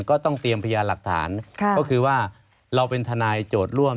ก็ต้องเตรียมพยานหลักฐานก็คือว่าเราเป็นทนายโจทย์ร่วม